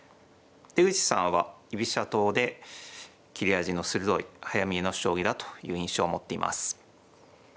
出口さんは居飛車党で切れ味の鋭い早見えの将棋だという印象を持っています。